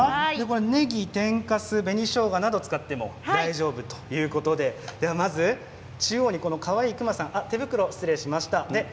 ねぎ、天かす、紅しょうがなどを使っても大丈夫ということでまず中央に、かわいい熊さん手袋を、失礼しました。